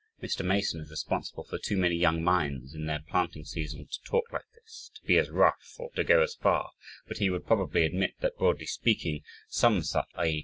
Mr. Mason is responsible for too many young minds, in their planting season to talk like this, to be as rough, or to go as far, but he would probably admit that, broadly speaking some such way, i.e.